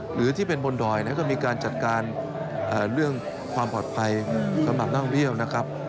หรือที่เป็นบนดอยก็มีการจัดการเรื่องความปลอดภัยสำหรับนักท่องเที่ยวนะครับ